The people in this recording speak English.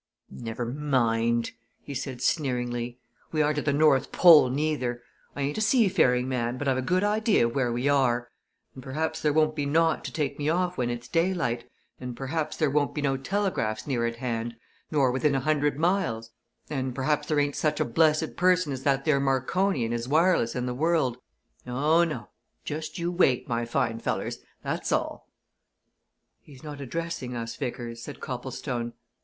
"Never mind!" he said sneeringly. "We aren't at the North Pole neither I ain't a seafaring man, but I've a good idea of where we are! And perhaps there won't be naught to take me off when it's daylight, and perhaps there won't be no telegraphs near at hand, nor within a hundred miles, and perhaps there ain't such a blessed person as that there Marconi and his wireless in the world oh, no! Just you wait, my fine fellers that's all!" "He's not addressing us, Vickers," said Copplestone.